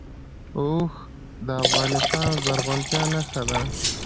اوښ د افغانستان د زرغونتیا نښه ده.